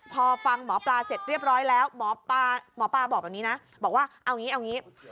พอฟังหมอปลาเสร็จเรียบร้อยแล้วหมอปลาบอกแบบนี้นะบอกว่าเอางี้เอางี้